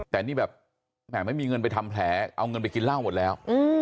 แต่นี่แบบแหมไม่มีเงินไปทำแผลเอาเงินไปกินเหล้าหมดแล้ว